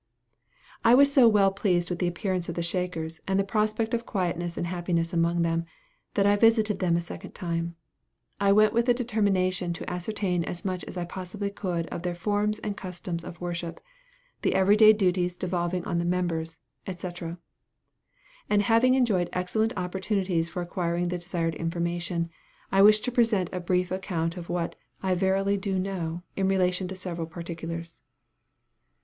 I was so well pleased with the appearance of the Shakers, and the prospect of quietness and happiness among them, that I visited them a second time. I went with a determination to ascertain as much as I possibly could of their forms and customs of worship, the every day duties devolving on the members, &c. and having enjoyed excellent opportunities for acquiring the desired information, I wish to present a brief account of what "I verily do know" in relation to several particulars.